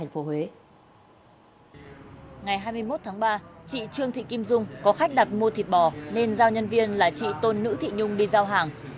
ngày hai mươi một tháng ba chị trương thị kim dung có khách đặt mua thịt bò nên giao nhân viên là chị tôn nữ thị nhung đi giao hàng